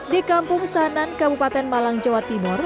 di kampung sanan kabupaten malang jawa timur